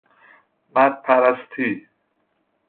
مد پرستی